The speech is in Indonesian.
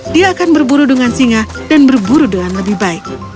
dia akan berburu dengan singa dan berburu dengan lebih baik